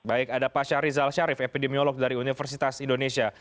baik ada pak syarizal sharif epidemiolog dari universitas indonesia